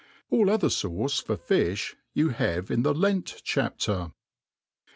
AH other ftuce for i&i you have in the Lent chapter